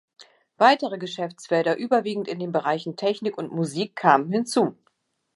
Weitere Geschäftsfelder, überwiegend in den Bereichen Technik und Musik, kamen hinzu.